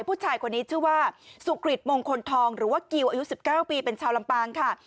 ผู้ชายคนนี้ชื่อว่าสุกริตมงคลทองหรือว่ากิวอายุ๑๙ปีเป็นชาวลำปางค่ะ